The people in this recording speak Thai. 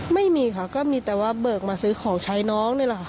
ไม่มีค่ะก็มีแต่ว่าเบิกมาซื้อของใช้น้องนี่แหละค่ะ